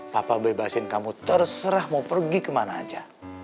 papa bebasin kamu terserah mau pergi kemana aja